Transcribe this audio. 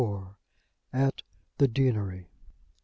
AT THE DEANERY.